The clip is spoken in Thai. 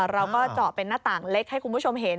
เราก็เจาะเป็นหน้าต่างเล็กให้คุณผู้ชมเห็น